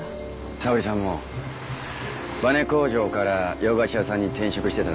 沙織さんもバネ工場から洋菓子屋さんに転職してただなんて意外です。